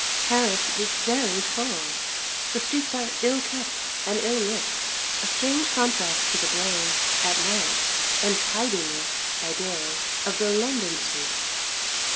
Paris is very full. The streets are ill kept and ill lit, a strange contrast to the blaze (at night) and tidiness (by day) of the London streets.